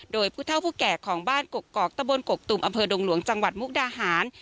โดยผู้เท่าผู้แก่ของบ้านกกอกตะบนกกตุ่มอำเภอดงหลวงจังหวัดมุกดาหาร